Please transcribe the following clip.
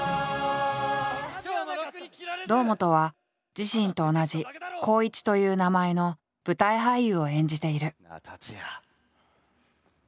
堂本は自身と同じ「コウイチ」という名前の舞台俳優を演じている。